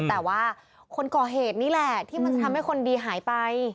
แต่ว่าคนก่อเหตุนี่แหละที่มันจะทำให้คนดีหายไป